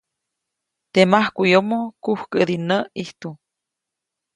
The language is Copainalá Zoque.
Teʼ majkuʼyomo, kujkädi näʼ ʼijtu.